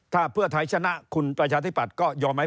ถ้าเพื่อไทยชนะคุณประชาธิปัตยก็ยอมไหม